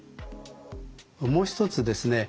もう一つですね